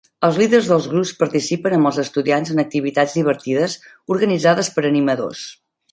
Els líders dels grups participen amb els estudiants en activitats divertides organitzades per animadors.